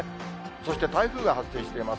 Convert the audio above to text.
そして台風が発生しています。